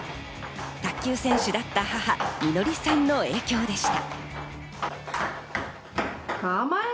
卓球選手だった母・美乃りさんの影響でした。